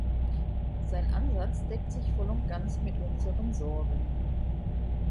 Sein Ansatz deckt sich voll und ganz mit unseren Sorgen.